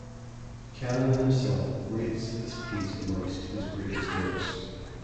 Cannon himself rates this piece amongst his greatest works.